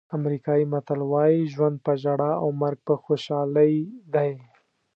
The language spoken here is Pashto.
امریکایي متل وایي ژوند په ژړا او مرګ په خوشحالۍ دی.